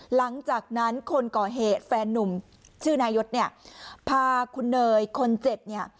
หลังจากนั้นคนก่อเหตุแฟนนุ่มชื่อนายศเนี่ยพาคุณเนยคนเจ็บเนี่ย